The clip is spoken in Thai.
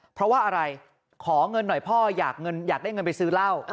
เพราะว่าอะไรขอเงินหน่อยพ่ออยากได้เงินไปซื้อเหล้า